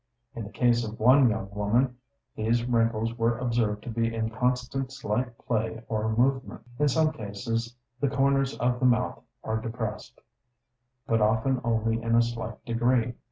In the case of one young woman, these wrinkles were observed to be in constant slight play or movement. In some cases the comers of the mouth are depressed, but often only in a slight degree.